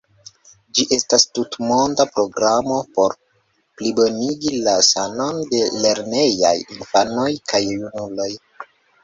Ĝi estas tutmonda programo por plibonigi la sanon de lernejaj infanoj kaj junuloj.